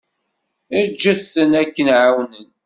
Ǧǧet-ten aken-ɛawnen.